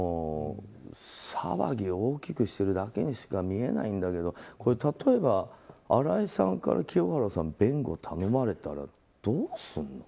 騒ぎを大きくしてるだけにしか見えないんだけどこれ、例えば新井さんから清原さんが弁護を頼まれたらどうするの？